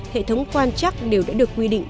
hệ thống quan chắc đều đã được quy định